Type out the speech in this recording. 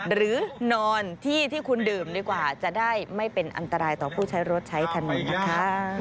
หรือนอนที่ที่คุณดื่มดีกว่าจะได้ไม่เป็นอันตรายต่อผู้ใช้รถใช้ถนนนะคะ